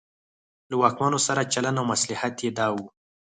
له واکمنو سره چلن او مصلحت یې دا و.